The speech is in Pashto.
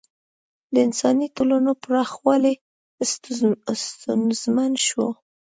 د انساني ټولنې پراخوالی ستونزمن شو.